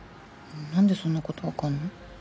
何でそんなことわかんの？